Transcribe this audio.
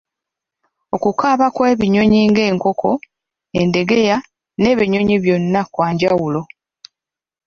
Okukaaba kw'ebinnyonyi ng'enkoko, endegeya n'ebinnyonyi byonna kwanjawulo.